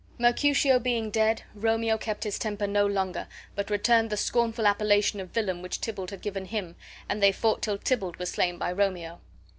Mercutio being dead, Romeo kept his temper no longer, but returned the scornful appellation of villain which Tybalt had given him, and they fought till Tybalt was slain by Romeo.